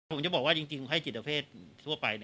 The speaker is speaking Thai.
ผมจะบอกว่าจริงให้จิตเพศทั่วไป